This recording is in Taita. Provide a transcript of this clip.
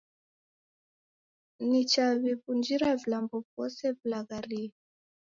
Nichaw'iw'unjira vilambo vose vilaghariye